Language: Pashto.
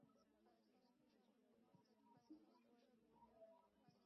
مور یې ښېرې کوي: خوله دې سره ورشه.